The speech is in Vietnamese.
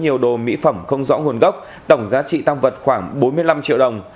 nhiều đồ mỹ phẩm không rõ nguồn gốc tổng giá trị tăng vật khoảng bốn mươi năm triệu đồng